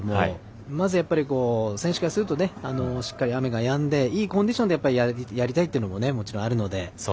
まずやっぱり選手からするとしっかり雨がやんでいいコンディションでやりたいというのももちろんあるので。